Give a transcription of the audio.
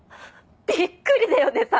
びっくりだよね